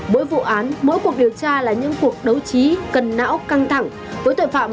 mỗi vụ án mỗi cuộc điều tra là những cuộc đấu trí cần não căng thẳng với tội phạm